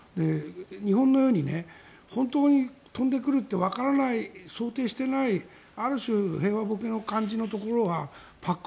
日本のように本当に飛んでくるってわからない想定していないある種平和ボケの感じのところはＰＡＣ